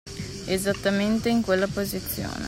Esattamente in quella posizione.